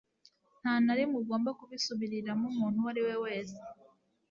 Nta na rimwe ugomba kubisubiramo umuntu uwo ari we wese.